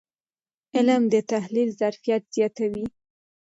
علم د تحلیل ظرفیت زیاتوي.